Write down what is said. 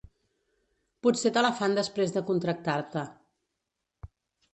Potser te la fan després de contractar-te.